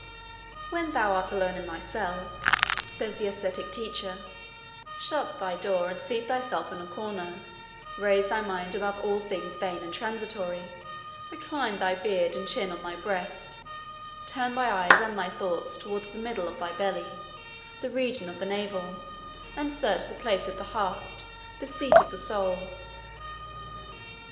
"When thou art alone in thy cell," says the ascetic teacher, "shut thy door, and seat thyself in a corner: raise thy mind above all things vain and transitory; recline thy beard and chin on thy breast; turn thy eyes and thy thoughts toward the middle of thy belly, the region of the navel; and search the place of the heart, the seat of the soul.